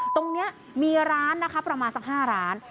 ตรงนี้มีร้านนะคะประมาณสัก๕ร้าน